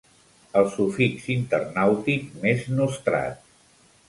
El sufix internàutic més nostrat.